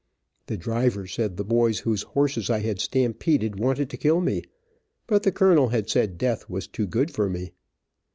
The driver said the boys whose horses I had stampeded, wanted to kill me, but the colonel had said death was too good for me.